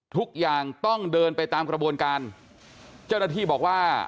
ทุกอย่างต้องเดินไปตามกระบวนการเจ้าหน้าที่บอกว่า